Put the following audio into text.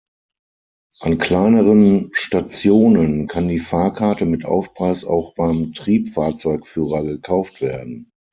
An kleineren Stationen kann die Fahrkarte mit Aufpreis auch beim Triebfahrzeugführer gekauft werden.